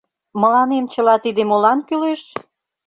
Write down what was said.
Мыланем чыла тиде молан кӱлеш?